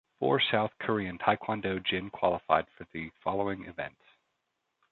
Four South Korean taekwondo jin qualified for the following events.